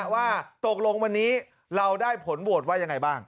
ว่าตกลงวันนี้เราได้ผลโหวตว่ายังไงบ้าง